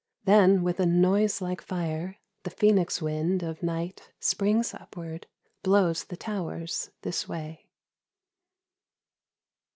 Then with a noise like fire, the Phcenix wind Of Night springs upward, blows the towers this way.